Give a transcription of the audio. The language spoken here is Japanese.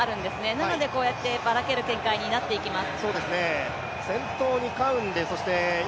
なのでこうやってばらける展開になっていきます。